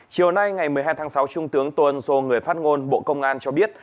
chiều nay ngày một mươi hai tháng sáu trung tướng tô ân sô người phát ngôn bộ công an cho biết